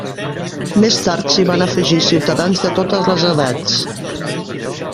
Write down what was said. Més tard s'hi van afegir ciutadans de totes les edats.